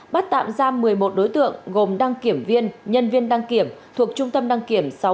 bắt tạm giam một mươi một đối tượng gồm đăng kiểm viên nhân viên đăng kiểm thuộc trung tâm đăng kiểm sáu nghìn bốn d